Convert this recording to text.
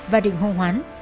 và định hôn hoán